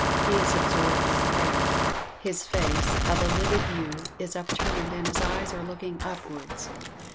He is absorbed in prayer his face, of a livid hue, is upturned, and his eyes are looking upwards.